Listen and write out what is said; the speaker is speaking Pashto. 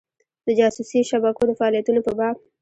د جاسوسي شبکو د فعالیتونو په باب.